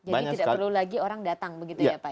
jadi tidak perlu lagi orang datang begitu ya pak ya